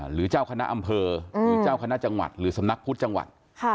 หรือเจ้าคณะอำเภอหรือเจ้าคณะจังหวัดหรือสำนักพุทธจังหวัด